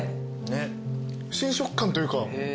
新食感というか。